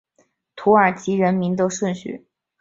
土耳其人名的顺序是名前姓后。